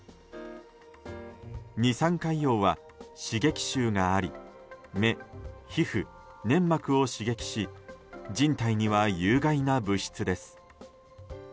二酸化硫黄は刺激臭があり目、皮膚、粘膜を刺激し人体には有害な物質です。